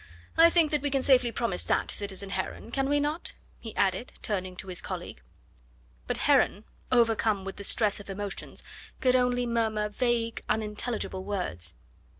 I think that we can safely promise that, citizen Heron, can we not?" he added, turning to his colleague. But Heron, overcome with the stress of emotions, could only murmur vague, unintelligible words.